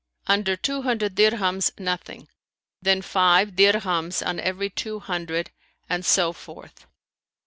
"Under two hundred dirhams nothing, then five dirhams on every two hundred and so forth."